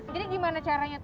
jadi gimana caranya tuh